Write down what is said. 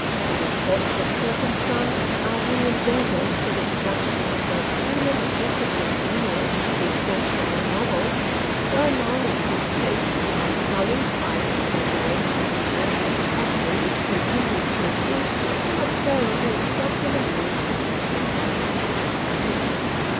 To this fortunate circumstance are we indebted for the production of those brilliant efforts of genius, his fashionable novels, which so long as good taste, unsullied by exaggeration, cant, and quackery, continues to exist, cannot fail to instruct and amuse the thinking portion of the community.